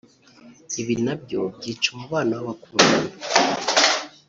ibi nabyo byica umubano w’abakundana